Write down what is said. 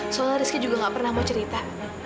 soalnya rizky juga gak pernah mau cerita